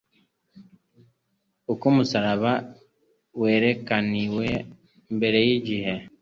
Uko umusaraba werekariywe mbere y'igihe